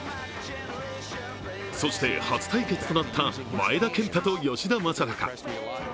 そして、初対決となった前田健太と吉田正尚。